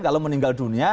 kalau meninggal dunia